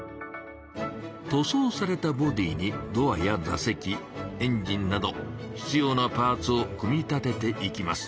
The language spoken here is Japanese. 塗装されたボディーにドアや座席エンジンなど必要なパーツを組み立てていきます。